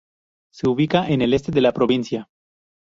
Se ubica en el este de la provincia.